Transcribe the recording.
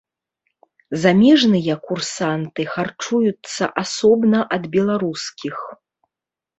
Замежныя курсанты харчуюцца асобна ад беларускіх.